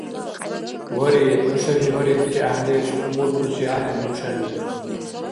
Вари, хӀушани барибси гӀяхӀдеш хъумуртуси ахӀен нушани.